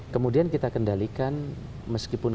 kemudian kita kendalikan meskipun